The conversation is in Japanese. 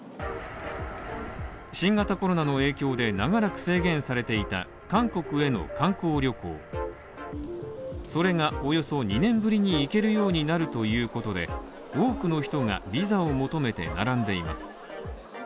新型コロナの影響で長らく制限されていた韓国への観光旅行それがおよそ２年ぶりに行けるようになるということで、多くの人がビザを求めて並んでいます。